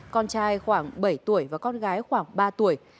con trai khoảng bảy tuổi và con gái khoảng ba tuổi